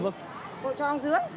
cô cho ông dưới